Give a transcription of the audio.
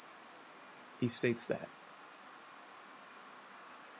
He states that.